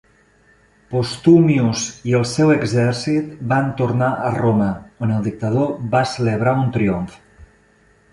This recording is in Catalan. Postumius i el seu exèrcit van tornar a Roma, on el dictador va celebrar un triomf.